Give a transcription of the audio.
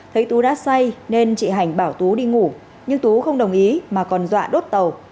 thấy tú đã say nên chị hành bảo tú đi ngủ nhưng tú không đồng ý mà còn dọa đốt tàu